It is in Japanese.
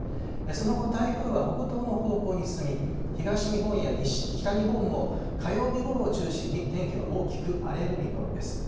その後、台風は北東の方向に進み、東日本や北北日本も火曜日ごろを中心に天気は大きく荒れる見込みです。